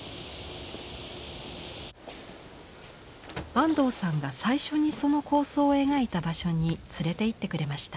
安藤さんが最初にその構想を描いた場所に連れて行ってくれました。